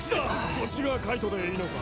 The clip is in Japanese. こっちが介人でいいのか？